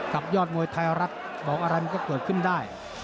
ยอดมวยไทยรัฐบอกอะไรมันก็เกิดขึ้นได้